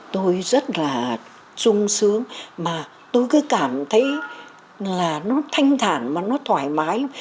tôi rất là trung sướng mà tôi cứ cảm thấy là nó thanh thản mà nó thoải mái